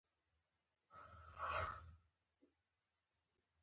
غازیان بلل کېدل.